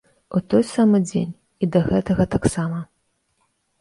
У той самы дзень і да гэтага таксама.